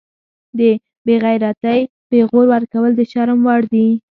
د بیغیرتۍ پیغور ورکول د شرم وړ دي